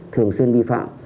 thường xuyên vi phạm